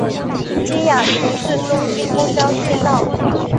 西雅图市中心公交隧道。